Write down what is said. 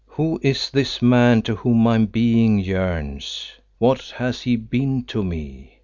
"Who is this man to whom my being yearns? What has he been to me?